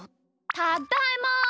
ただいま！